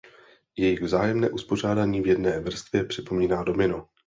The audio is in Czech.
Jejich vzájemné uspořádání v jedné vrstvě připomíná domino.